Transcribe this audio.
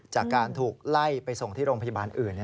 ใช่ครับ